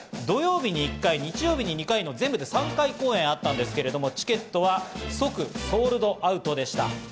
土曜日に１回、日曜日に２回の全３公演あったんですけれどもチケットは即ソールドアウトでした。